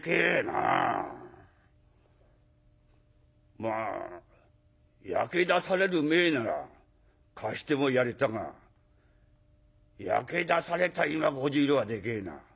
まあ焼け出される前なら貸してもやれたが焼け出された今５０両はでけえな。